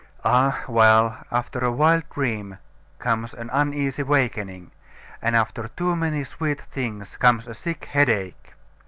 Ah well After a wild dream comes an uneasy wakening; and after too many sweet things, comes a sick headache.